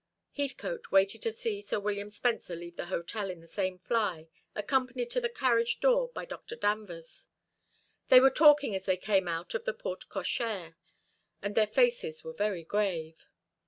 Heathcote waited to see Sir William Spencer leave the hotel in the same fly, accompanied to the carriage door by Dr. Danvers. They were talking as they came out of the porte cochère, and their faces were very grave.